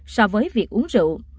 so với việc hút thuốc lá